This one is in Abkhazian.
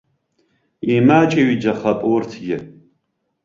Имаҷыҩӡахап урҭгьы.